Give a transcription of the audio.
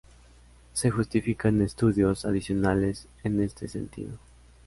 Se justifican estudios adicionales en este sentido.